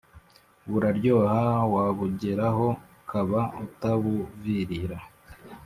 buraryoha wabugeraho ukaba utabuvirira